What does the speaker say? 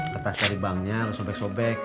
kertas tarik bangnya lo sobek sobek